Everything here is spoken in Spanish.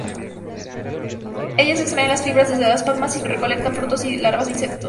Ellas extraen las fibras desde las palmas y recolectan frutos y larvas de insectos.